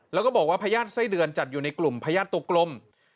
แล้วก็บอกว่าพญาติไส้เดือนจัดอยู่ในกลุ่มพญาติตัวกลม